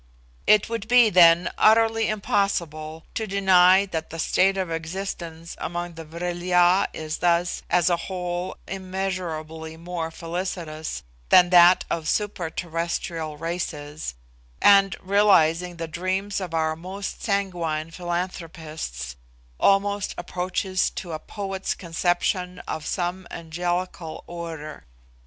It would be, then, utterly impossible to deny that the state of existence among the Vril ya is thus, as a whole, immeasurably more felicitous than that of super terrestrial races, and, realising the dreams of our most sanguine philanthropists, almost approaches to a poet's conception of some angelical order.